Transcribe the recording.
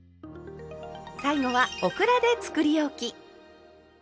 最後はオクラでつくりおき。